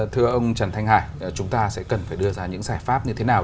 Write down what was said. thưa ông trần thanh hải chúng ta sẽ cần phải đưa ra những giải pháp như thế nào